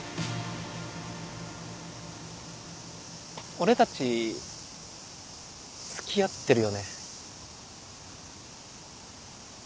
俺たち付き合ってるよね？